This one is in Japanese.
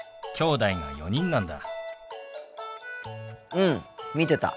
うん見てた。